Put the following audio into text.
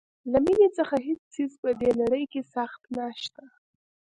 له مینې څخه هیڅ څیز په دې نړۍ کې سخت نشته.